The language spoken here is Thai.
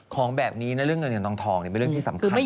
ของแบบนี้นะเรื่องเงินเงินทองเป็นเรื่องที่สำคัญ